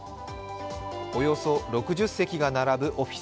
およそ６０席が並ぶオフィス。